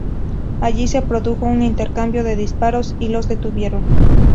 Allí se produjo un intercambio de disparos y los detuvieron.